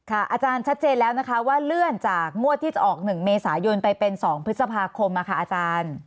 อาจารย์ชัดเจนแล้วนะคะว่าเลื่อนจากงวดที่จะออก๑เมษายนไปเป็น๒พฤษภาคมอาจารย์